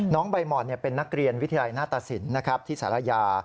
น้องใบหม่อนเป็นนักเรียนวิทยาลัยหน้าตสินที่สารยา